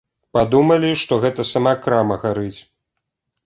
Падумалі, што гэта сама крама гарыць.